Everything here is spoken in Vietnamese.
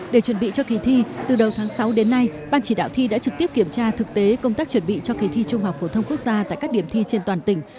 để chuẩn bị cho kỳ thi từ đầu tháng sáu đến nay ban chỉ đạo thi đã trực tiếp kiểm tra thực tế công tác chuẩn bị cho kỳ thi trung học phổ thông quốc gia tại các điểm thi trên toàn tỉnh